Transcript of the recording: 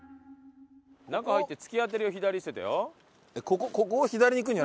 中入って突き当たりを左って言ってたよ。